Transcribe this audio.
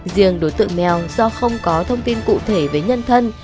riêng đối tượng mèo do không có thông tin cụ thể với nhân thân